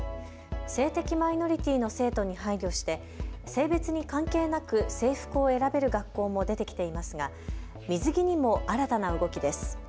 性的マイノリティーの生徒に配慮して性別に関係なく制服を選べる学校も出てきていますが水着にも新たな動きです。